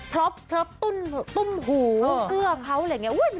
พรอบตุ้มหูเครื่องเขาอะไรอย่างนี้